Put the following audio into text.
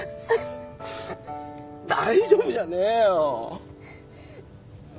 大丈夫じゃねえよ。